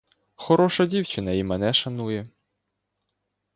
Хороша дівчина і мене шанує.